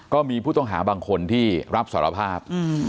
ก็มีผู้ต้องหาบางคนที่รับสารภาพ